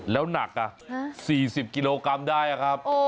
แล้วหนัก๔๐กิโลกรัมได้ครับ